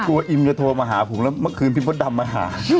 กลัวอิมจะโทรมาหาผมแล้วเมื่อคืนพี่โรเบิร์ตดำมาหา